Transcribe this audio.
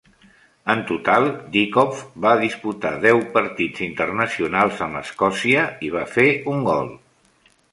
En total, Dickov va disputar deu partits internacionals amb Escòcia i va fer un gol.